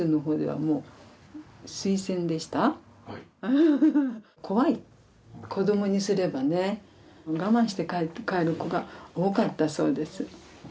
・はい怖い子どもにすればね我慢して帰る子が多かったそうです